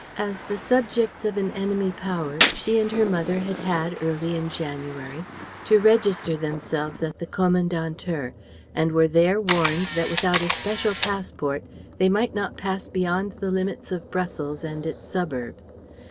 As the subjects of an enemy power she and her mother had had early in January to register themselves at the Kommandantur and were there warned that without a special passport they might not pass beyond the limits of Brussels and its suburbs.